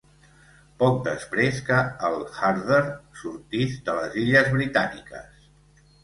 Poc després que el "Harder" sortís de les illes Britàniques.